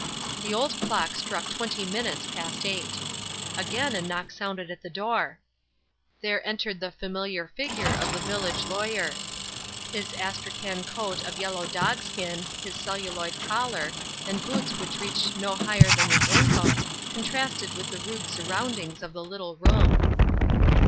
The old clock struck twenty minutes past eight. Again a knock sounded at the door. There entered the familiar figure of the village lawyer. His astrachan coat of yellow dogskin, his celluloid collar, and boots which reached no higher than the ankle, contrasted with the rude surroundings of the little room.